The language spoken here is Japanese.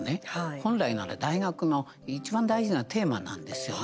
本来なら大学のいちばん大事なテーマなんですよね。